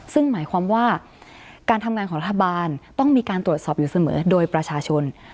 ซึ่งหมายความว่าการทำงานของรัฐบาลต้องมีการตรวจสอบอยู่เสมอโดยประชาชน